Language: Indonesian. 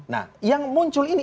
nah yang muncul ini